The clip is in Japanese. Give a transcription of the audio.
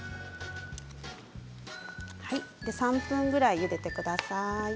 ３分ぐらい、ゆでてください。